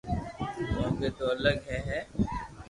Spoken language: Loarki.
ڪونڪھ تو الگ ھي ھي